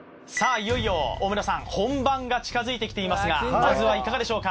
いよいよ大村さん本番が近づいてきていますがまずはいかがでしょうか？